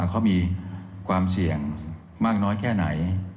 เขามีความเสี่ยงมากน้อยแค่ไหน